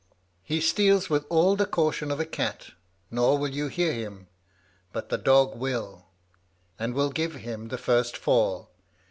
He steals with all the caution of a cat, nor will you hear him, but the dog will, and will give him the first fall.